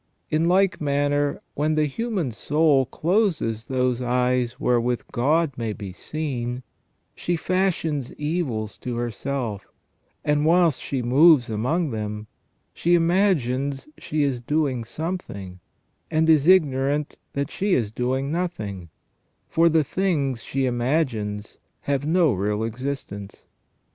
In like manner, when the human soul closes those eyes wherewith God may be seen, she fashions evils to herself, and whilst she moves among them, she imagines she is doing something, and is ignorant that she is doing nothing, for the things she imagines have no real existence.